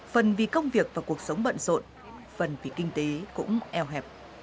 phần vì công việc và cuộc sống bận rộn phần vì kinh tế cũng eo hẹp